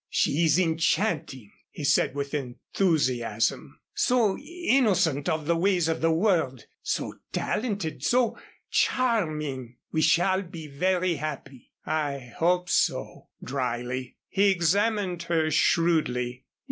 She is enchanting," he said with enthusiasm, "so innocent of the ways of the world, so talented, so charming. We shall be very happy." "I hope so," dryly. He examined her shrewdly.